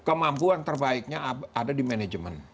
kemampuan terbaiknya ada di manajemen